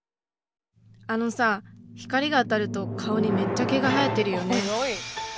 「あのさ光が当たると顔にめっちゃ毛が生えてるよね」。